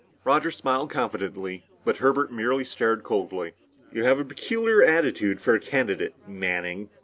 Roger smiled confidently, but Herbert merely stared coldly. "You have a peculiar attitude for a candidate, Manning."